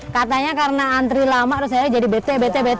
katanya karena antri lama harusnya jadi bt bt bt